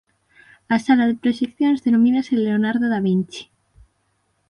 A sala de proxeccións denomínase Leonardo da Vinci.